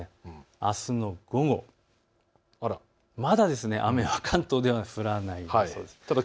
あすの午後、まだ雨は関東では降らない。